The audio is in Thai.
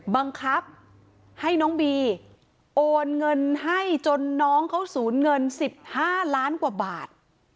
บังคับให้น้องบีโอนเงินให้จนน้องเขาสูญเงิน๑๕ล้านกว่าบาท